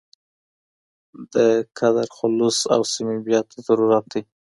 د قدر خلوص او صمیمیت ته ضرورت دی.